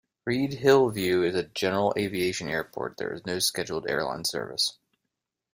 Reid-Hillview is a general aviation airport; there is no scheduled airline service.